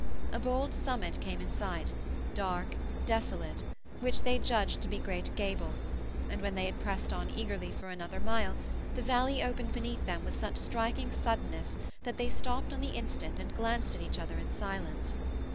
A bold summit came in sight, dark, desolate, which they judged to be Great Gabel; and when they had pressed on eagerly for another mile, the valley opened beneath them with such striking suddenness that they stopped on the instant and glanced at each other in silence.